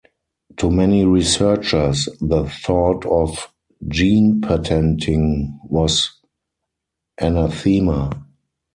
To many researchers, the thought of gene patenting was anathema.